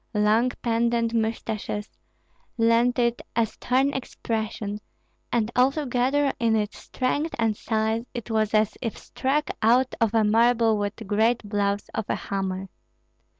Long pendent mustaches lent it a stern expression, and altogether in its strength and size it was as if struck out of marble with great blows of a hammer.